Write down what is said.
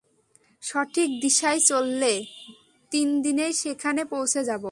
সঠিক দিশায় চললে, তিনদিনেই সেখানে পৌঁছে যাব।